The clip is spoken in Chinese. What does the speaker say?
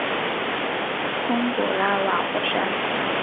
通古拉瓦火山。